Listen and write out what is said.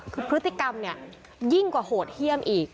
คือพฤติกรรมเนี่ยยิ่งกว่าโหดเยี่ยมอีก